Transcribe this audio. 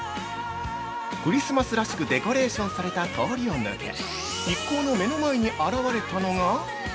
◆クリスマスらしくデコレーションされた通りを抜け一行の目の前に現れたのが◆